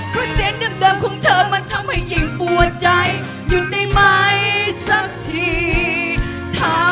เพราะเสียงเดิมของเธอมันทำให้ยิ่งปวดใจฉันมันอ่อนแอ